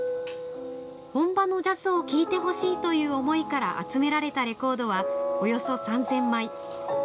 本場のジャズを聴いてほしいという思いから集められたレコードはおよそ３０００枚。